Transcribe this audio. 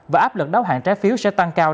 và áp lực đáo hạn trái phiếu sẽ tăng cao